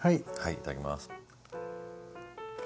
いただきます。